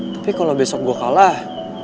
tapi kalau besok gue kalah